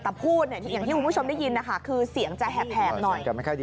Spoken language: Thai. แต่พูดเนี่ยอย่างที่คุณผู้ชมได้ยินนะคะคือเสียงจะแหบหน่อย